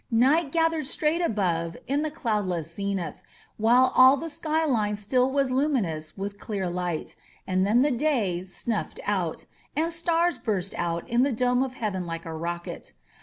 Night gathered straight above in the cloud less zenith, while all the skyline still was luminous with 166 SYMBOLS OF MEXICO clear light, and then the day snufFed out, and stars burst out in the dome of heaven like a rocket.